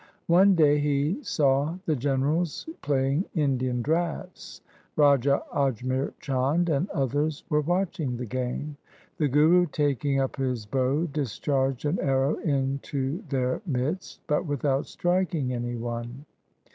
One day he saw the generals play ing Indian draughts. Raja Ajmer Chand and others were watching the game. The Guru taking up his bow discharged an arrow into their midst, but without striking any one.